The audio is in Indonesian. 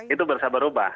itu berusaha berubah